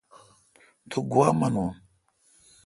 تو گوا منون